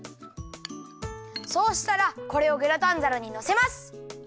そうしたらこれをグラタンざらにのせます。